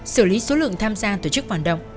xử lý số lượng tham gia tổ chức phản động